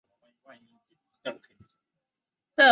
他毕业于上海龙门师范学校。